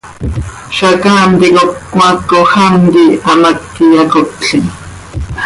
Zacaam ticop cmaacoj am quih hamác iyacotlim.